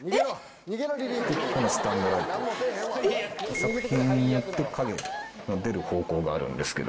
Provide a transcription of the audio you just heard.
作品によって影が出る方向があるんですけど。